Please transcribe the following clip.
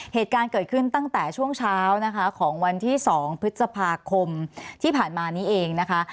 เหตุการณ์เกิดขึ้นตั้งแต่ช่วงเช้านะคะของวันที่๒พฤษภาคมที่ผ่านมานี้เองนะคะ